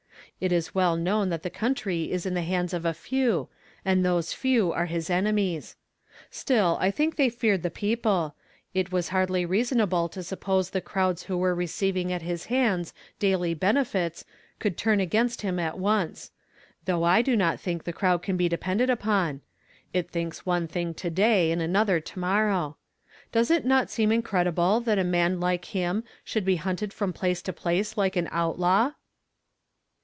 It is well known tlmt t'to country is in the hands of a few, and those few are his enemies. Still, I think they feared the people. It was hardly reasonable to suppose the crowds who were receiving at iiis hands daily benefits could turn against 1 im at once ; though I do not think the crowd can be dependcl upon ; it thiidcs one thing to day and another to morrow. Does it not seem inci'cdible that a man like him should be hunted from place to place like an out law?"